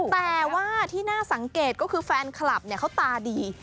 แต่ว่าที่น่าสังเกตก็คือแฟนคลับเขาตาดี